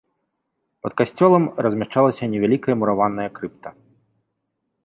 Пад касцёлам размяшчалася невялікая мураваная крыпта.